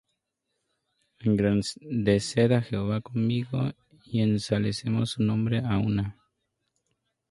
Engrandeced á Jehová conmigo, Y ensalcemos su nombre á una.